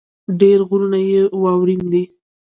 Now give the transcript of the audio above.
ډېر غرونه يې واؤرين دي ـ